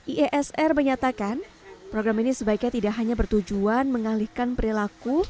iesr menyatakan program ini sebaiknya tidak hanya bertujuan mengalihkan perilaku